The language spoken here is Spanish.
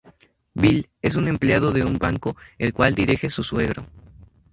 Bill es un empleado de un banco, el cual dirige su suegro.